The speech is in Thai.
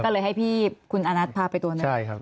ก็เลยให้พี่คุณอานัทพาไปตัวหนึ่งใช่ครับ